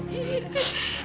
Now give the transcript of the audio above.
bisa nunggu dimas